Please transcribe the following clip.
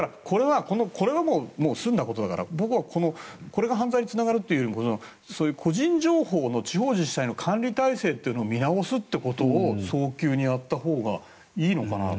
これはもう、済んだことだから僕はこれが犯罪につながるっていうことよりそういう個人情報の地方自治体の管理体制を見直すということを早急にやったほうがいいのかな。